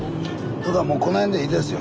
もうこの辺でいいですよ。